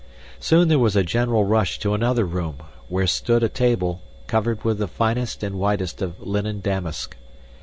Soon there was a general rush to another room, where stood a table, covered with the finest and whitest of linen damask.